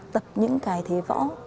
tập những cái thế võ